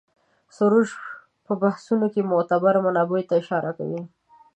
سروش په بحثونو کې معتبرو منابعو ته اشاره کوي.